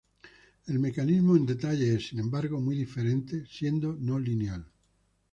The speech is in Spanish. El mecanismo en detalle es, sin embargo, muy diferente, siendo no lineal.